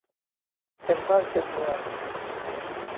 เต็มบ้านเต็มเมือง